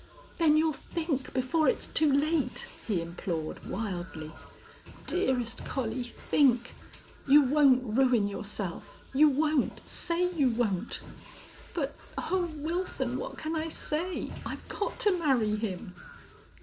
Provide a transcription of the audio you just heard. "Then you'll think before it's too late?" he implored, wildly. "Dearest Collie, think! You won't ruin yourself! You won't? Say you won't!" "But Oh, Wilson, what can I say? I've got to marry him."